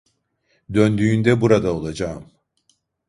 Döndüğünde burada olacağım.